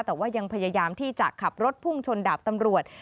แต่ว่ายังพยายามที่จะขับรถพุ่งชนดาบตำรวจ